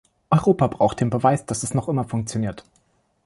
Europa braucht den Beweis, dass es noch immer funktioniert.